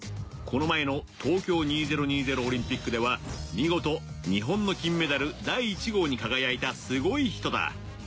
この前の東京２０２０オリンピックでは見事日本の金メダル第１号に輝いたすごい人だ。